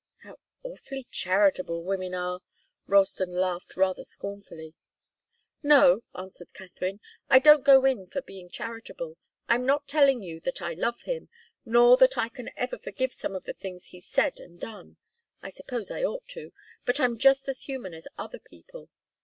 "How awfully charitable women are!" Ralston laughed rather scornfully. "No," answered Katharine. "I don't go in for being charitable. I'm not telling you that I love him, nor that I can ever forgive some of the things he's said and done. I suppose I ought to. But I'm just as human as other people.